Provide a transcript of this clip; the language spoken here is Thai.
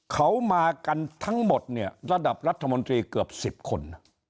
เขามากันทั้งหมดเนี่ยระดับรัฐมนตรีเกือบ๑๐คน